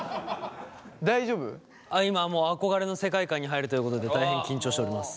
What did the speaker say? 今もう憧れの世界観に入るということで大変緊張しております。